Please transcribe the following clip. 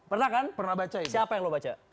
pernah kan siapa yang lo baca